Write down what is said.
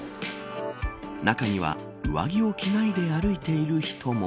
中には上着を着ないで歩いている人も。